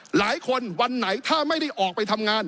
หลายคนวันไหนถ้าไม่ได้ออกไปทำงาน